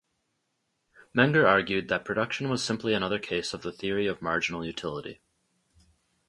Menger argued that production was simply another case of the theory of marginal utility.